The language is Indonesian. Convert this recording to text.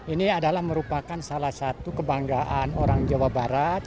ini adalah merupakan salah satu kebanggaan orang jawa barat